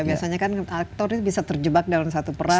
biasanya kan aktornya bisa terjebak dalam satu peran